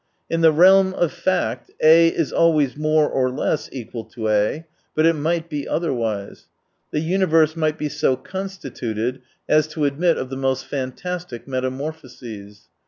In the realm of fact, A is always more or less equal to A. But it might be otherwise. The uni verse might be so constituted as to admit of the most fantastic metamorphoses.